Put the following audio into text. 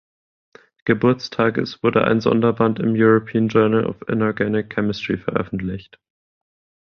Geburtstages wurde ein Sonderband im European Journal of Inorganic Chemistry veröffentlicht.